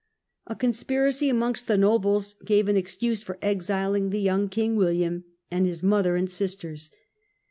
A conspiracy amongst the nobles gave an excuse for exiling the young King William and his mother and sisters.